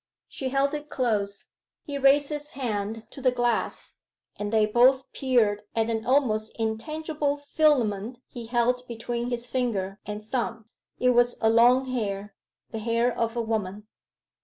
She held it close. He raised his hand to the glass, and they both peered at an almost intangible filament he held between his finger and thumb. It was a long hair; the hair of a woman.